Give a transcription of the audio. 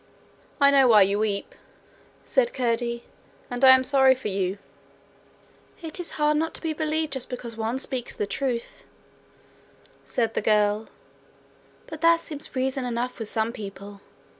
'I know why you weep,' said Curdie, 'and I am sorry for you.' 'It is hard not to be believed just because one speaks the truth,' said the girl, 'but that seems reason enough with some people.